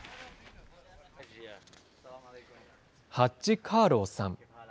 ハッジ・カーローさん。